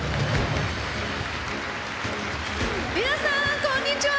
皆さんこんにちは！